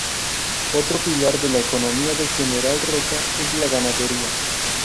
Otro pilar de la economía de General Roca es la ganadería.